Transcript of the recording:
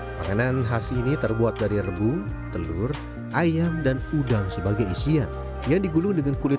makanan khas ini terbuat dari rebung telur ayam dan udang sebagai isian yang digulung dengan kulit